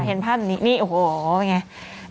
เห็นภาพแบบนี้โอ้โฮเป็นอย่างไร